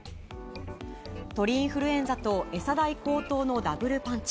鳥インフルエンザと餌代高騰のダブルパンチ。